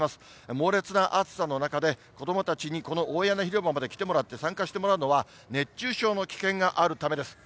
猛烈な暑さの中で、子どもたちにこの大屋根広場まで来てもらって参加してもらうのは、熱中症の危険があるためです。